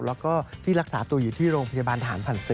แล้วก็ที่รักษาตัวอยู่ที่โรงพยาบาลธันศึกครับ